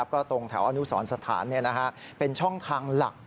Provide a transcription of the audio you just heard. ก็ตรงแถวอนุสรสถานเป็นช่องทางหลัก